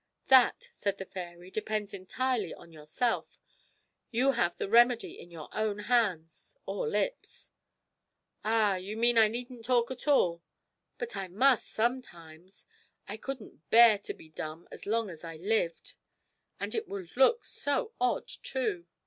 'That,' said the fairy, 'depends entirely on yourself. You have the remedy in your own hands or lips.' 'Ah, you mean I needn't talk at all? But I must sometimes. I couldn't bear to be dumb as long as I lived and it would look so odd, too!'